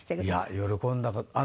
いや喜んだか。